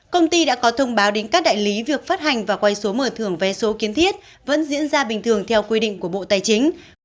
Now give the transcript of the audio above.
công ty đã có thông báo đến các đại lý việc phát hành và quay số mở thưởng vé số kiến thiết vẫn diễn ra bình thường theo quy định của bộ tài chính